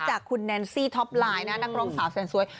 จากคุณแนนซี่ท็อปไลน์นะนักร้องสาวแสนสวย